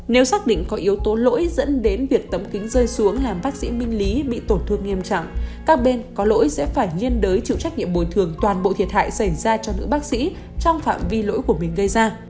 nếu xác định có yếu tố lỗi dẫn đến việc tấm kính rơi xuống làm bác sĩ minh lý bị tổn thương nghiêm trọng các bên có lỗi sẽ phải liên đới chịu trách nhiệm bồi thường toàn bộ thiệt hại xảy ra cho nữ bác sĩ trong phạm vi lỗi của mình gây ra